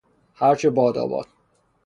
هر چه باداباد